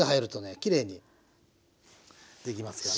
きれいにできますからね。